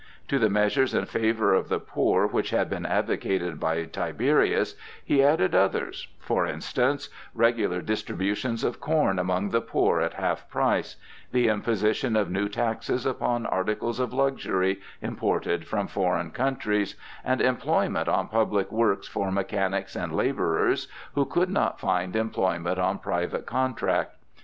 To the measures in favor of the poor which had been advocated by Tiberius, he added others,—for instance, regular distributions of corn among the poor at half price, the imposition of new taxes upon articles of luxury imported from foreign countries, and employment on public works for mechanics and laborers who could not find employment on private contract.